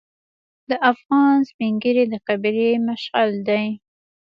د افغان سپین ږیری د قبیلې مشعل دی.